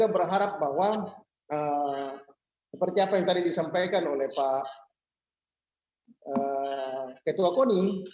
seperti apa yang tadi disampaikan oleh pak ketua koni